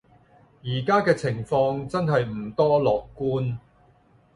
而家嘅情況真係唔多樂觀